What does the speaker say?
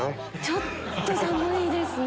ちょっと寒いですね